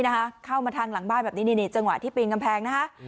เข้ามาทางหลังบ้านแบบนี้นี่จังหวะที่ปีนกำแพงนะฮะ